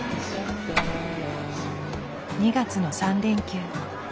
２月の３連休。